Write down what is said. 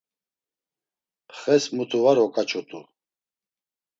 Xes mutu var okaçut̆u.